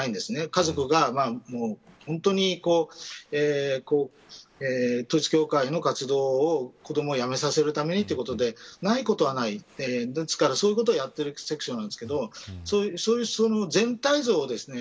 家族が本当に統一教会の活動を子どもをやめさせるためにということでないことはないですから、そういうことをやってるセクショなんですけどその全体像をですね